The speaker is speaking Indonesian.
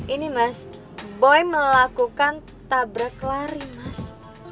ini mas boy melakukan tabrak lari mas